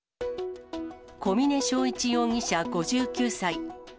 小峰勝一容疑者５９歳。